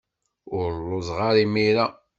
Ur lluẓeɣ ara imir-a.